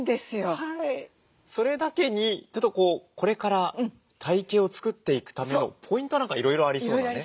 それだけにちょっとこれから体形を作っていくためのポイントなんかいろいろありそうなね。